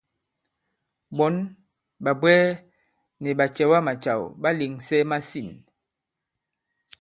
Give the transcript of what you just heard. Ɓɔ̌n, ɓàbwɛɛ nì ɓàcɛ̀wamàcàw ɓà lèŋsɛ masîn.